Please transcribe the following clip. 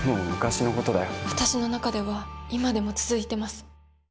私の中では今でも続いています。